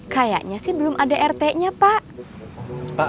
kayaknya sih belum ada rtnya pak